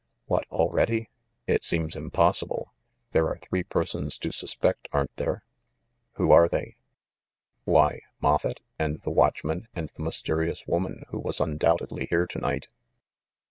"What, already? It seems impossible. There are three persons to suspect, aren't there ?" "Who are they?" "Why, Moffett and the watchman and the mysterious woman who was undoubtedly here to night."